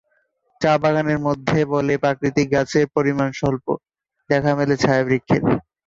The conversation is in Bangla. চা বাগানের মধ্যে বলে প্রাকৃতিক গাছের পরিমাণ স্বল্প; দেখা মেলে ছায়া বৃক্ষের।